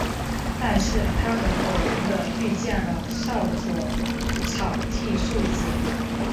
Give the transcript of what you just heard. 但是他很偶然地遇见了少佐草剃素子。